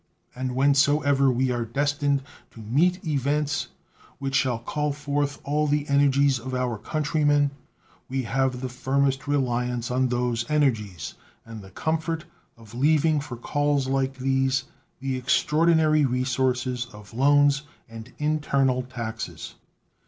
And when so ever we are destined to meet events which shall call forth all the energies of our country men, we have the firmest reliance on those energies and the comfort of leaving for calls like these the extraordinary resources of loans and internal taxes.